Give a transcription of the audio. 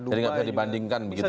jadi nggak bisa dibandingkan begitu ya